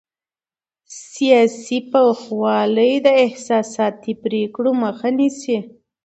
سیاسي پوخوالی د احساساتي پرېکړو مخه نیسي